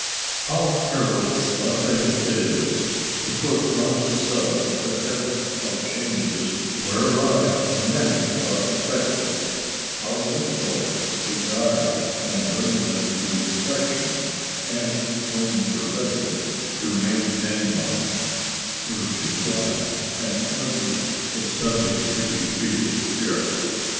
How perilous a thing it is to put one's self at the head of changes whereby many are affected, how difficult to guide and bring them to perfection, and when perfected to maintain them, were too wide and arduous a subject to be treated here.